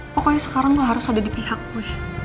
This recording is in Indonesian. pokoknya sekarang gue harus ada di pihak gue